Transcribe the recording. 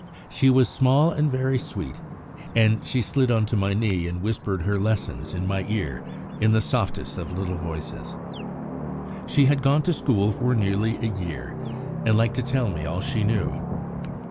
She was small and very sweet, and she slid on to my knee and whispered her lessons in my ear in the softest of little voices. She had gone to school for nearly a year, and liked to tell me all she knew.